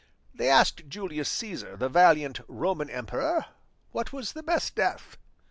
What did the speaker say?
They asked Julius Caesar, the valiant Roman emperor, what was the best death.